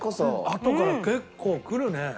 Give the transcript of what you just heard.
あとから結構くるね。